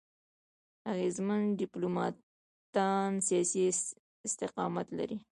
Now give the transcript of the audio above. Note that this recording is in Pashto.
اغېزمن ډيپلوماټان سیاسي استقامت لري.